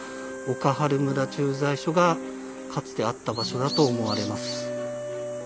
岡原村駐在所がかつてあった場所だと思われます。